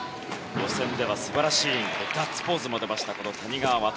予選では素晴らしい演技でガッツポーズも出ました谷川航。